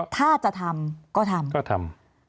ถ้าจะทำก็ทำ